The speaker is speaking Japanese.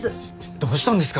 どどうしたんですか？